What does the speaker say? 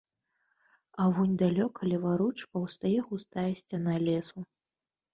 А вунь далёка леваруч паўстае густая сцяна лесу.